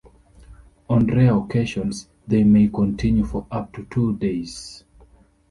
On rare occasions, they may continue for up to two days.